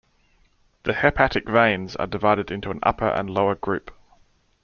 The hepatic veins are divided into an upper and a lower group.